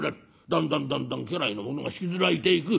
だんだんだんだん家来の者が引きずられていく。